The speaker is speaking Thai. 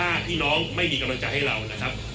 ถ้าพี่น้องไม่มีกำลังใจให้เรานะครับ